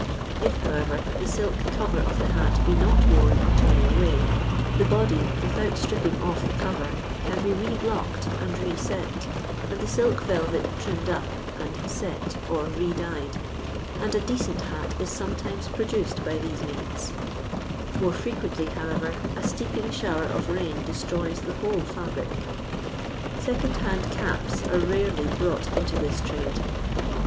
I^ however, the silk cover of the hat be not worn utterly away, the body, without stripping off the cover, can be re blocked and re set, and the silk velvet trimmed up and " set,'' or re dyed, and n decent hat is sometimes produced by these mauMi More frequently, however, a steeping shower of rain destroys the whole fiUnic. Second ZuAful Caps are rarely brought into this trade.